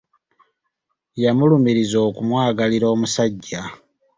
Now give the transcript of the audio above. Yamulumiriza okumwagalira omusajja.